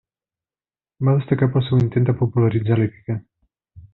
Va destacar pel seu intent de popularitzar l'hípica.